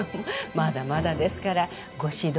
まだまだですからご指導